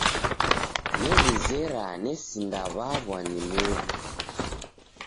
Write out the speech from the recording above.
New'izera nesindaw'aw'a ni muw'i.